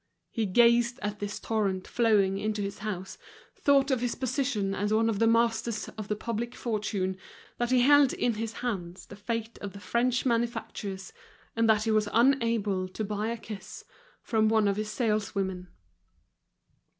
He gazed at this torrent flowing into his house, thought of his position as one of the masters of the public fortune, that he held in his hands the fate of the French manufacturers, and that he was unable to buy a kiss from one of his saleswomen.